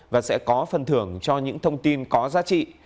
và sẽ có phần thưởng cho những thông tin có giá trị